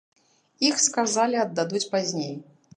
Іх, сказалі, аддадуць пазней.